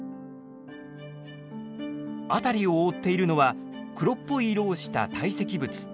辺りを覆っているのは黒っぽい色をした堆積物。